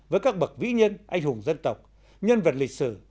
với các bậc vĩ nhân anh hùng dân tộc nhân vật lịch sử